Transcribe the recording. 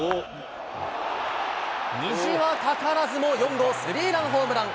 虹はかからずも４号スリーランホームラン。